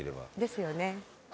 「ですよね」